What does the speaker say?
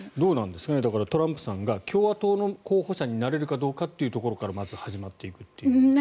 だからトランプさんが共和党の候補者になれるかどうかからまず始まっていくという。